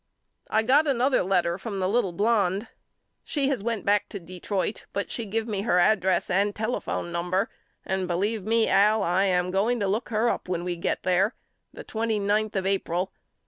I got another letter from the little blonde. She has went back to Detroit but she give me her ad dress and telephone number and believe me Al I am going to look her up when we get there the twenty ninth of April.